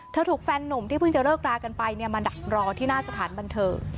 ถูกแฟนหนุ่มที่เพิ่งจะเลิกรากันไปเนี่ยมาดักรอที่หน้าสถานบันเทิง